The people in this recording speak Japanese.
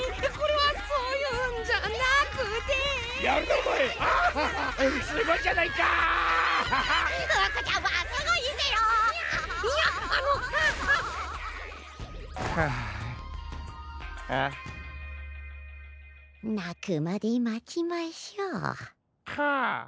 はあん？なくまでまちましょう。